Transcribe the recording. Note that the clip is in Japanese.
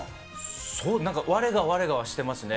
そう、なんか、われがわれがはしてますね。